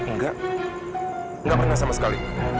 enggak enggak pernah sama sekali